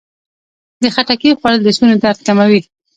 د خټکي خوړل د ستوني درد کموي.